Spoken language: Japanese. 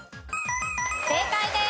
正解です。